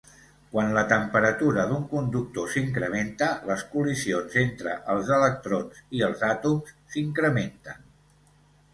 Quan la temperatura d'un conductor s'incrementa, les col·lisions entre els electrons i els àtoms s'incrementen.